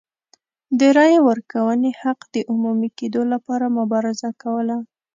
د رایې ورکونې حق د عمومي کېدو لپاره مبارزه کوله.